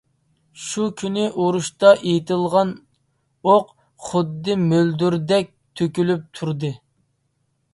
شۇ كۈنكى ئۇرۇشتا ئېتىلغان ئوق خۇددى مۆلدۈردەك تۆكۈلۈپ تۇردى.